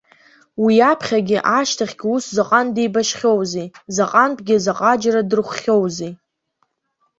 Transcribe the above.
Уи аԥхьагьы, ашьҭахьгьы ус заҟантә деибашьхьоузеи, заҟантәгьы заҟаџьара дырхәхьоузеи.